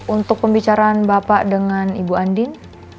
untuk pembicaraan bapak dengan ibu andin